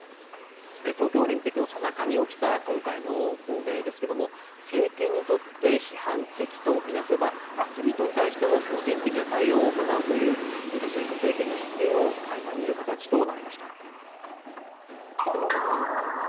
東京オリンピックのさなかに起きた今回の亡命ですけども政権にとって批判的と見なせばアスリートに対しても強権的な対応を行うというルカシェンコ政権の姿勢をかいま見る形となりました。